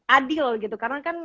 adil gitu karena kan